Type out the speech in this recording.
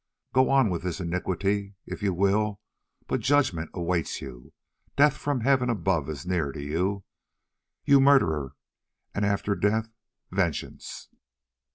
Go on with this iniquity if you will, but a judgment awaits you. Death from Heaven above is near to you, you murderer, and after death, vengeance."